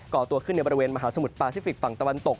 ่อตัวขึ้นในบริเวณมหาสมุทรปาซิฟิกฝั่งตะวันตก